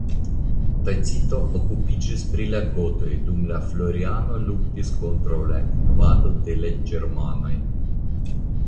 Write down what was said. Tacito okupiĝis pri la gotoj dum Floriano luktis kontraŭ la invado de la ĝermanoj.